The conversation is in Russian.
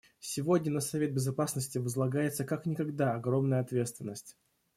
Сегодня на Совет Безопасности возлагается как никогда огромная ответственность.